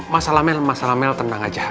masalah mel masalah mel tenang aja